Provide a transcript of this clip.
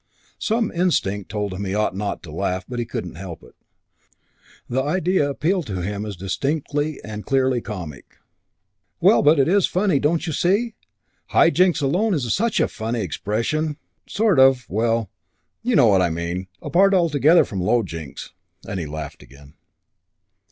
Some instinct told him he ought not to laugh, but he could not help it. The idea appealed to him as distinctly and clearly comic. "Well, but it is funny. Don't you see? High Jinks alone is such a funny expression sort of well, you know what I mean. Apart altogether from Low Jinks," and he laughed again.